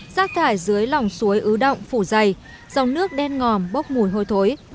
rác thải dưới lòng suối ưu động phủ dày dòng nước đen ngòm bốc mùi hôi thối